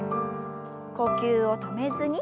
呼吸を止めずに。